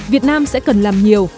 việt nam sẽ cần làm nhiều